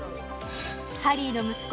ハリーの息子